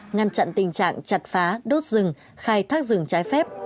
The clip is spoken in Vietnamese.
ngăn chặn tình trạng chặt phá đốt rừng khai thác rừng trái phép